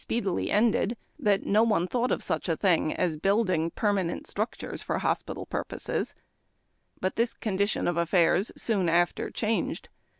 (((liiy ended no one thought of such a thing as building |Kiiii; inent structures for hospital purposes. But this ( (MMliiion of affairs soon after changed.